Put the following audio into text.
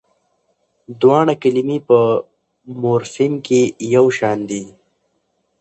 دواړه کلمې په مورفیم کې یوشان دي.